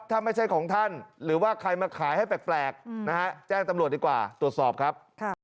ถ้าไม่ใช่ของท่านหรือว่าใครมาขายให้แปลกนะฮะแจ้งตำรวจดีกว่าตรวจสอบครับ